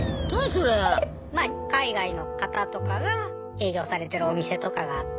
海外の方とかが営業されてるお店とかがあって。